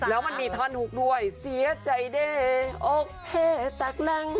แล้วมันมีท่อนฮุกด้วยเสียใจเด้โอเคแตกแรง